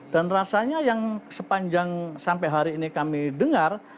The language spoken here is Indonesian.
dan rasanya yang sepanjang sampai hari ini kami dengar